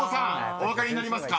［お分かりになりますか？］